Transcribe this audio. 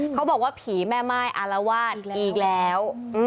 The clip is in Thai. เขาบอกว่าผีแม่ม่ายอารวาสอีกแล้ว